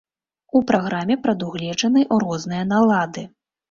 У праграме прадугледжаны розныя налады.